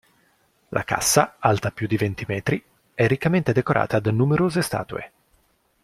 La cassa, alta più di venti metri, è riccamente decorata da numerose statue.